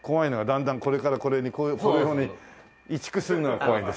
段々これからこれにこういうふうに移築するのが怖いんです。